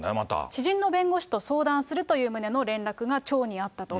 知人の弁護士と連絡するという旨の連絡が町にあったと。